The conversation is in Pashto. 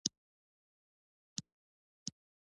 د معدې د مکروب لپاره د انار پوستکی وکاروئ